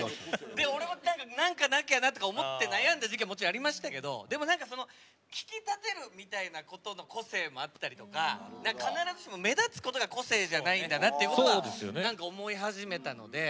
俺も何かやらなきゃなって悩んだ時期ももちろんありましたけどでも、引き立てるっていうことの個性もあったりとか必ずしも目立つことが個性じゃないんだなって思い始めたので。